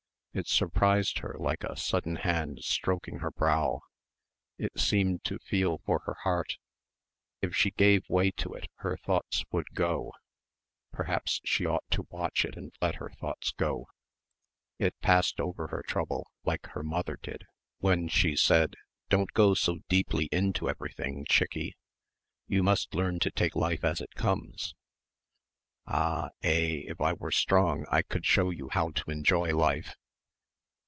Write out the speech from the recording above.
It surprised her like a sudden hand stroking her brow. It seemed to feel for her heart. If she gave way to it her thoughts would go. Perhaps she ought to watch it and let her thoughts go. It passed over her trouble like her mother did when she said, "Don't go so deeply into everything, chickie. You must learn to take life as it comes. Ah eh if I were strong I could show you how to enjoy life...."